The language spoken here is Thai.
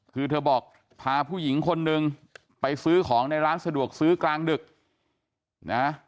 คือเธอบอกพาผู้หญิงคนนึงไปซื้อของในร้านสะดวกซื้อกลางดึกนะ